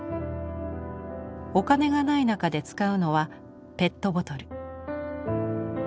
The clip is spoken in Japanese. お金がない中で使うのはペットボトル。